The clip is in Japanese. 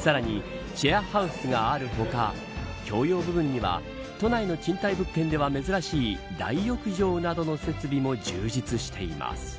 さらにシェアハウスがある他共用部分には都内の賃貸物件では珍しい大浴場などの設備も充実しています。